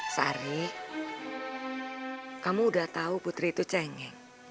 sari kamu udah tahu putri itu cengeng